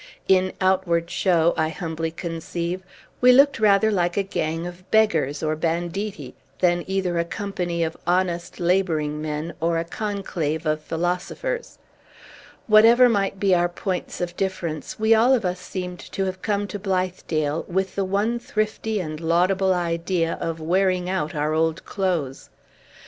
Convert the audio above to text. In outward show, I humbly conceive, we looked rather like a gang of beggars, or banditti, than either a company of honest laboring men, or a conclave of philosophers. Whatever might be our points of difference, we all of us seemed to have come to Blithedale with the one thrifty and laudable idea of wearing out our old clothes.